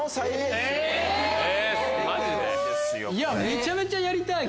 めちゃめちゃやりたい！